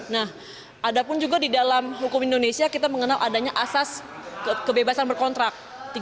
nah ada pun juga di dalam hukum indonesia kita mengenal adanya asas kebebasan berkontrak